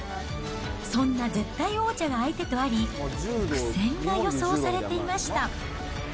そんな絶対王者が相手とあり、苦戦が予想されていました。